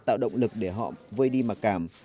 tạo động lực để họ vơi đi mặc cảm